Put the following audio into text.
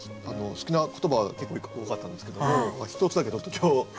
好きな言葉が結構多かったんですけども一つだけ今日。